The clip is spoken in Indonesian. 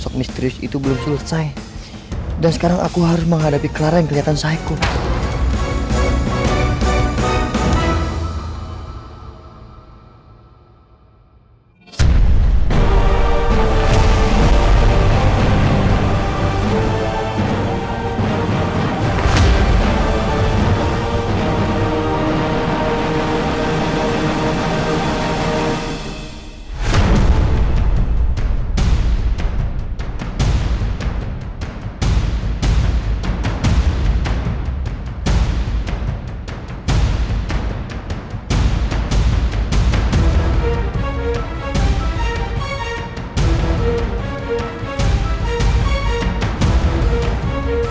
disini dan dia ada depan kamar ini